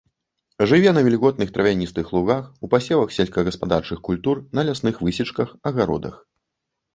Жыве на вільготных травяністых лугах, у пасевах сельскагаспадарчых культур, на лясных высечках, агародах.